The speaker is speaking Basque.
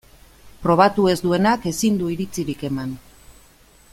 Probatu ez duenak ezin du iritzirik eman.